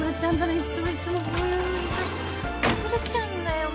遅れちゃうんだよ